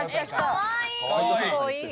かわいい！